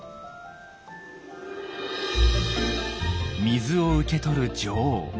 水を受け取る女王。